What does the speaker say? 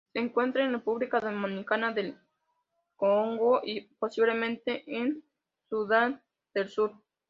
Se encuentra en República Democrática del Congo y, posiblemente, en Sudán del Sur.